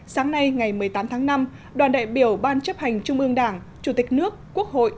sáng nay ngày một mươi tám tháng năm đoàn đại biểu ban chấp hành trung ương đảng chủ tịch nước quốc hội